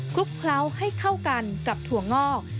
ลุกเคล้าให้เข้ากันกับถั่วงอก